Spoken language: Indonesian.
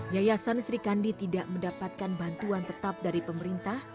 yayasan sri kandi tidak mendapatkan bantuan tetap dari pemerintah